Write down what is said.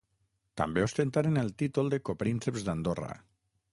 També ostentaren el títol de coprínceps d'Andorra.